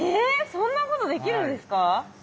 そんなことできるんですか？